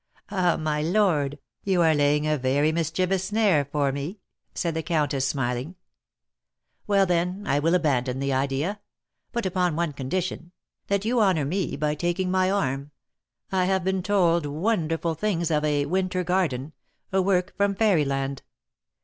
"Ah, my lord, you are laying a very mischievous snare for me," said the countess, smiling. "Well, then, I will abandon that idea; but upon one condition, that you honour me by taking my arm. I have been told wonderful things of a 'Winter Garden,' a work from Fairyland.